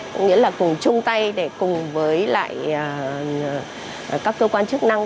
cũng nghĩa là cùng chung tay cùng với các cơ quan chức năng